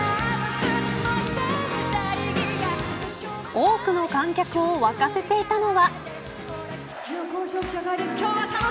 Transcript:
多くの観客を沸かせていたのは。